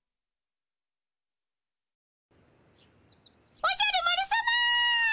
おじゃる丸さま！